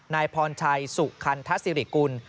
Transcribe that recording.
นายพรชัยสุคันทศิริกุล